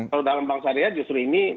kalau dalam bang syariah justru ini